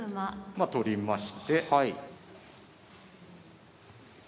ま取りまして。